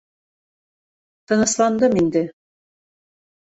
Тынысландым инде.